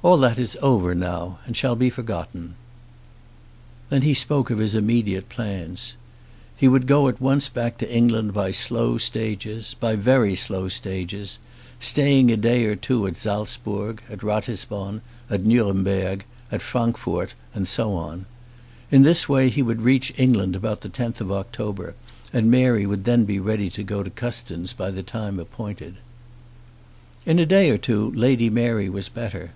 "All that is over now, and shall be forgotten." Then he spoke of his immediate plans. He would at once go back to England by slow stages, by very slow stages, staying a day or two at Salzburg, at Ratisbon, at Nuremberg, at Frankfort, and so on. In this way he would reach England about the 10th of October, and Mary would then be ready to go to Custins by the time appointed. In a day or two Lady Mary was better.